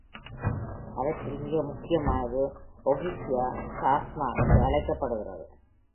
அவற்றில் மிக முக்கியமானது "ஓகிஜியா சாஸ்மா" என்று அழைக்கப்படுகிறது.